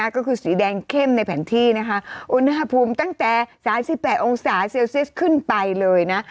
ก็คือสีแดงเข้มในแผนที่นะคะอุณหภูมิตั้งแต่๓๘องศาเซลเซียสขึ้นไปเลยนะ